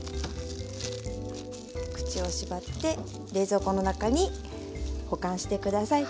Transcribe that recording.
口を縛って冷蔵庫の中に保管して下さい。